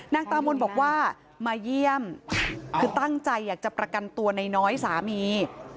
นางตามนบอกว่ามาเยี่ยมคือตั้งใจอยากจะประกันตัวน้อยสามี